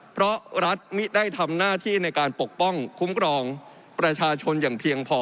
เพราะรัฐมิได้ทำหน้าที่ในการปกป้องคุ้มครองประชาชนอย่างเพียงพอ